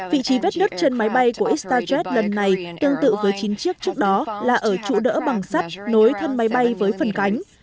vị trí vết nứt trên máy bay của istaget lần này tương tự với chín chiếc trước đó là ở trụ đỡ bằng sắt nối thân máy bay với phần cánh